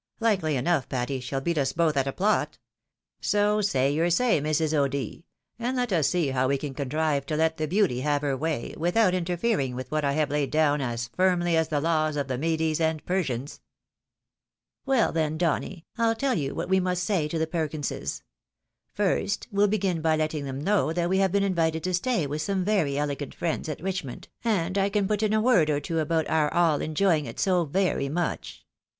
" Likely enough, Patty, she'U beat us both at a plot. So say your say, Mrs. O'D., and let us see how we can contrive to let the beauty have her way without interfering with what I have laid down as firmly as the laws of the Medes and Persians." " Well, then, Donny, PU teU you what we must say to the Perkinses. First, we'll begin by letting them know that we have been invited to stay with some very elegant friends at Richmond, and I can put in a word or two about our all enjoy ing it so very much.